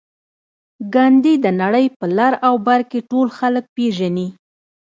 ګاندي د نړۍ په لر او بر کې ټول خلک پېژني